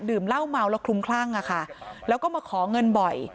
เหล้าเมาแล้วคลุมคลั่งอะค่ะแล้วก็มาขอเงินบ่อย